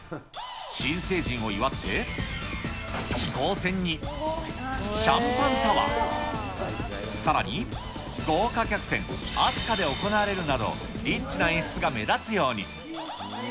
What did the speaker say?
新成人を祝って、飛行船に、シャンパンタワー、さらに、豪華客船飛鳥で行われるなど、リッチな演出が目立つように。